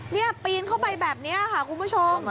นี่ปีนเข้าไปแบบนี้ค่ะคุณผู้ชม